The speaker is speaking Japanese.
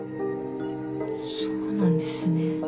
そうなんですね。